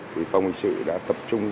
thì phòng hình sự đã tập trung